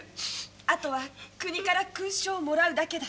あとは国から勲章をもらうだけだ」。